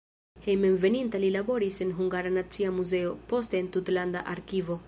Hejmenveninta li laboris en Hungara Nacia Muzeo, poste en tutlanda arkivo.